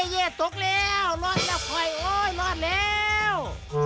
เย่ตกแล้วรอดแล้วค่อยโอ๊ยรอดแล้ว